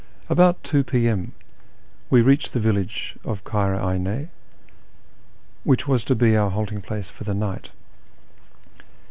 About 2 P.M. we reached the village of Kara Ayne, which was to be our halting place for the night.